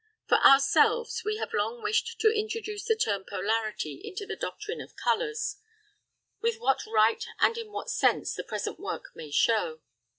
For ourselves we have long wished to introduce the term polarity into the doctrine of colours; with what right and in what sense, the present work may show.